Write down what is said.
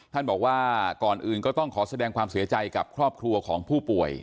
ท่านบอกว่าก่อนอื่นก็ต้องขอแสดงความเสียใจกับครอบครัวของผู้ป่วย